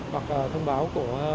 hoặc thông báo của